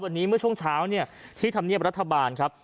วันนี้เมื่อช่วงเช้าที่ธรรมเนียบรัฐบาลครับ